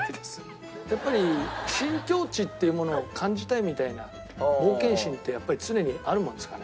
やっぱり新境地っていうものを感じたいみたいな冒険心ってやっぱり常にあるものですかね？